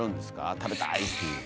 食べたい！っていう。